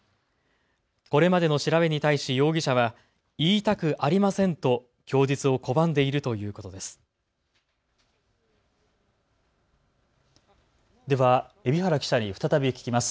これまでの調べに対し、容疑者は言いたくありませんと供述を拒んでいるということです。